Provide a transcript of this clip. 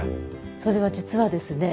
それは実はですね